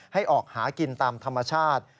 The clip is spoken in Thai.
ให้ออกหากินตามธรรมชาติ